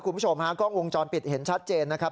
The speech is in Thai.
คุณผู้ชมฮะกล้องวงจรปิดเห็นชัดเจนนะครับ